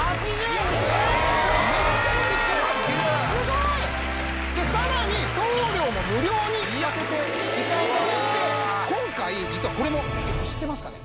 めちゃくちゃすごいでさらに送料も無料にさせていただいて今回実はこれも知ってますかね？